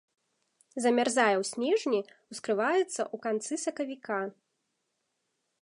Замярзае ў снежні, ускрываецца ў канцы сакавіка.